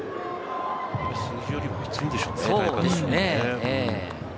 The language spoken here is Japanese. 数字よりも体感、暑いでしょうね。